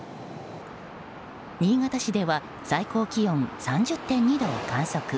新潟市では最高気温３０．２度を観測。